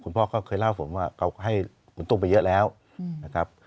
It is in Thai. พ่อก็เคยเล่าฝนว่าเขาให้คุณตุ้มไปเยอะแล้วนะครับ